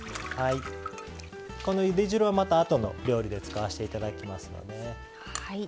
このゆで汁は、またあとの料理で使わせていただきます。